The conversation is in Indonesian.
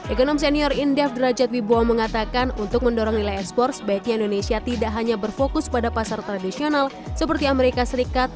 ekonom senior indef derajat wibowo mengatakan untuk mendorong nilai ekspor sebaiknya indonesia tidak hanya berfokus pada pasar tradisional seperti amerika serikat